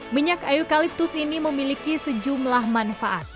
minyak eukaliptus ini memiliki sejumlah manfaat